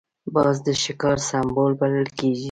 باز د ښکار سمبول بلل کېږي